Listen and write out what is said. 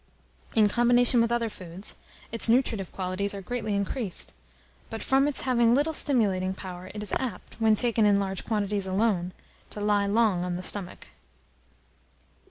In combination with other foods, its nutritive qualities are greatly increased; but from its having little stimulating power, it is apt, when taken in large quantities alone, to lie long on the stomach.